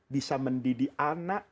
bisa mendidik anak